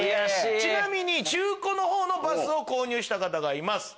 ちなみに中古のバスを購入した方がいます。